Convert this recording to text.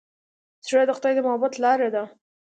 زړه د خدای د محبت لاره ده.